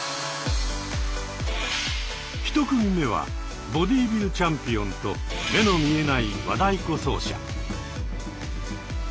１組目はボディービルチャンピオンと目の見えない和太鼓奏者。